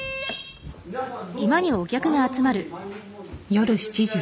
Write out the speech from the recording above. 夜７時。